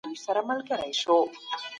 تر څو چې وينه لرو.